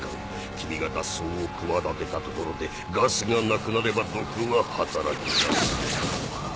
君が脱走を企てたところでガスがなくなれば毒は働きだす。